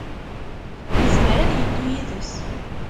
Yezmer ad yeddu yid-s.